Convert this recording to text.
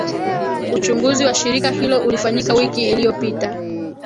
uchunguzi wa shirika hilo ulifanyika wiki iliyopita